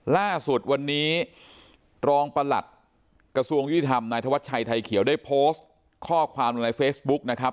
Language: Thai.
ล่าสุดวันนี้รองประหลัดกระทรวงยุติธรรมนายธวัชชัยไทยเขียวได้โพสต์ข้อความลงในเฟซบุ๊กนะครับ